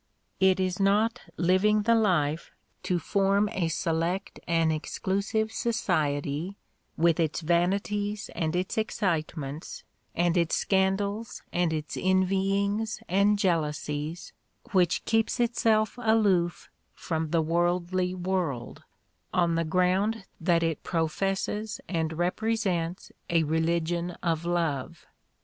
It is not living the life to form a select and exclusive society, with its vanities and its excitements, and its scandals and its envyings and jealousies, which keeps itself aloof from the worldly world, on the ground that it professes and represents a religion of love.